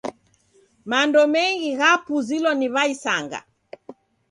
Mando mengi ghapuzilwa ni w'aisanga.